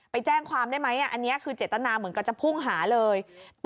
ไปแจ้งความได้ไหมอันนี้คือเจตนาเหมือนกันจะพุ่งหาเลย